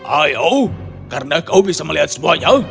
ayo karena kau bisa melihat semuanya